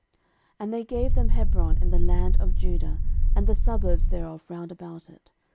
13:006:055 And they gave them Hebron in the land of Judah, and the suburbs thereof round about it.